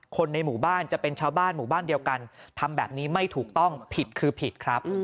คนในหมู่บ้านจะเป็นชาวบ้านหมู่บ้านเดียวกันทำแบบนี้ไม่ถูกต้องผิดคือผิดครับ